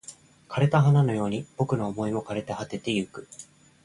枯れた花のように僕の想いも枯れ果ててゆく